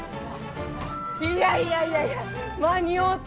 いやいやいやいや間に合うた！